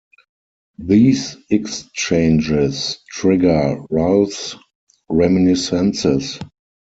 These exchanges trigger Ralph's reminiscences.